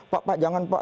pak jangan pak